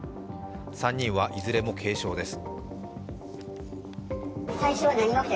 ３人はいずれも軽傷です。